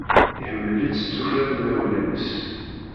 Iḥemmel-itt s tuffra n yimawlan-is.